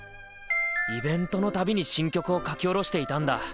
イベントのたびに新曲を書き下ろしていたんだ。